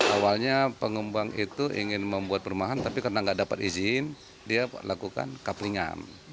awalnya pengembang itu ingin membuat perumahan tapi karena nggak dapat izin dia lakukan cuplingan